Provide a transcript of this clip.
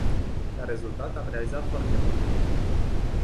Ca rezultat, am realizat foarte mult.